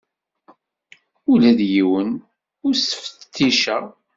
Ula d yiwen ur t-ttfetticeɣ.